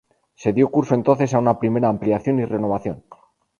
Se dio curso entonces a una primera ampliación y renovación.